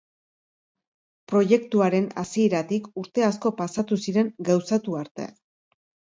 Proiektuaren hasieratik urte asko pasatu ziren gauzatu arte.